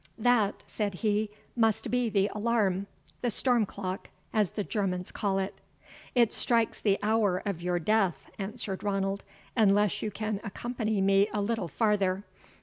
"That," said he, "must be the alarm the storm clock, as the Germans call it." "It strikes the hour of your death," answered Ranald, "unless you can accompany me a little farther.